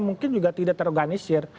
mungkin juga tidak terorganisir